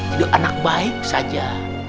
hidup anak baik saja